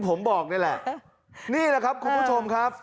ผมบอกนี่แหละนี่แหละครับคุณผู้ชมครับ